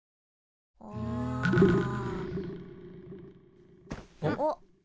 うん。おっ。